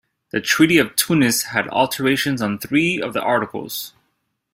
The Treaty of Tunis had alterations on three of the articles.